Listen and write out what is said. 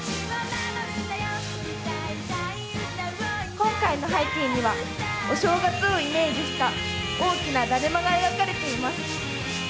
今回の背景にはお正月をイメージした大きなだるまが描かれています。